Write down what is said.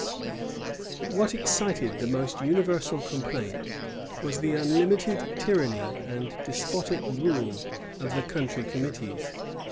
But what excited the most universal complaint was, the unlimited tyranny and despotic rule of the country committees.